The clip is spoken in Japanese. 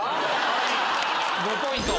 ５ポイント。